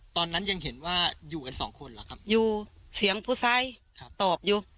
ตอนนั้นยังเห็นว่าอยู่กันสองคนเหรอครับอยู่เสียงผู้ไซส์ตอบอยู่